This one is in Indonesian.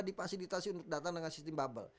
dipasilitasi untuk datang dengan sistem bubble